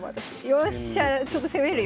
よっしゃちょっと攻めるよ